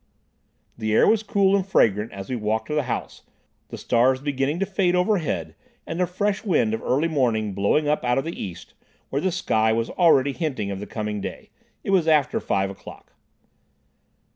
The air was cool and fragrant as we walked to the house, the stars beginning to fade overhead and a fresh wind of early morning blowing up out of the east where the sky was already hinting of the coming day. It was after five o'clock.